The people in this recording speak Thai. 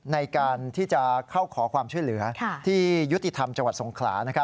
ในการที่จะเข้าขอความช่วยเหลือที่ยุติธรรมจังหวัดสงขลา